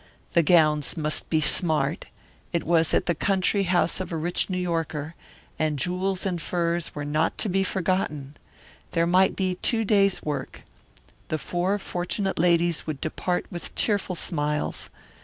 The gowns must be smart it was at the country house of a rich New Yorker and jewels and furs were not to be forgotten. There might be two days' work. The four fortunate ladies would depart with cheerful smiles.